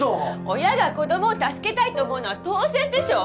親が子どもを助けたいと思うのは当然でしょう？